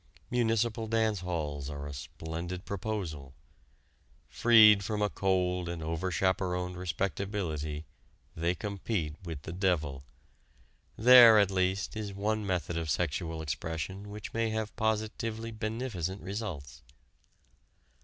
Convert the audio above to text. Municipal dance halls are a splendid proposal. Freed from a cold and over chaperoned respectability they compete with the devil. There, at least, is one method of sexual expression which may have positively beneficent results.